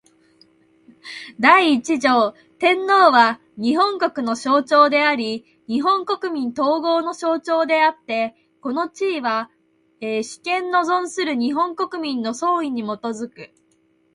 第一条天皇は、日本国の象徴であり日本国民統合の象徴であつて、この地位は、主権の存する日本国民の総意に基く。